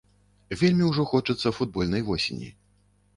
Вельмі ўжо хочацца футбольнай восені.